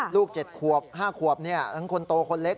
ลูก๗ขวบ๕ขวบทั้งคนโตคนเล็ก